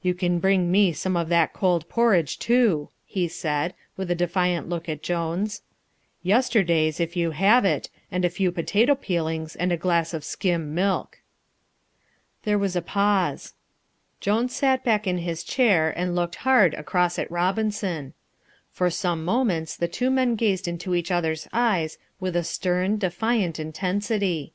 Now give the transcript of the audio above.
"You can bring me some of that cold porridge too," he said, with a defiant look at Jones; "yesterday's, if you have it, and a few potato peelings and a glass of skim milk." There was a pause. Jones sat back in his chair and looked hard across at Robinson. For some moments the two men gazed into each other's eyes with a stern, defiant intensity.